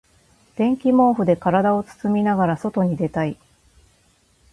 電気毛布で体を包みながら外に出たい。